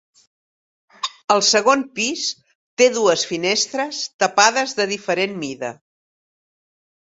El segon pis té dues finestres tapades de diferent mida.